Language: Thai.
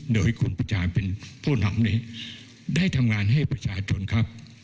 เดี๋ยวให้คุณผู้ชมเป็นผู้นำนี้ได้ทำงานให้ประชาชนครับ